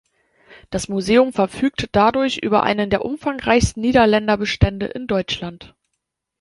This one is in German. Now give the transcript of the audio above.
Das Museum verfügt dadurch über einen der umfangreichsten Niederländer-Bestände in Deutschland.